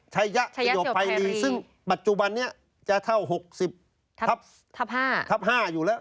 ชัยะเจโยคไทรีซึ่งปัจจุบันนี้จะเท่า๖๐ทับ๕อยู่แล้ว